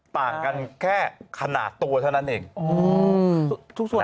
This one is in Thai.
หลักการรักษาและช่วยชีวิตระหว่างคนกับสัตว์นั้น